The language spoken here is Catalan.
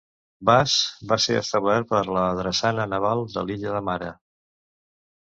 "Bass" va ser establert per la drassana naval de l'illa de Mare.